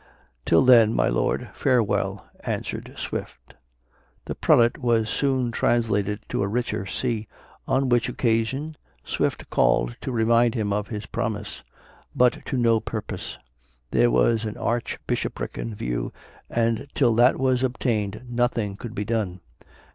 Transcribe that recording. "Till then, my lord, farewell," answered Swift. The prelate was soon translated to a richer see, on which occasion Swift called to remind him of his promise; but to no purpose: there was an arch bishopric in view, and till that was obtained nothing could be done.